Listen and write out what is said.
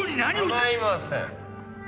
構いません。